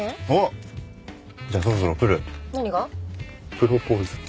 プロポーズ。